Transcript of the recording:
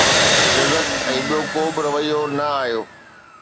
جزڪ ۽ ٻيو ڪو به رويو نه آيو